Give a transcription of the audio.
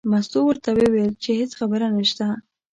مستو ورته وویل چې هېڅ خبره نشته.